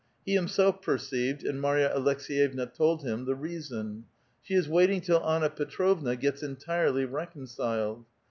He himself perceived — and Marya Aleks^j'evna told him — the reason. '^ She is waiting till Anna Petrovna gets entirely reconciled.'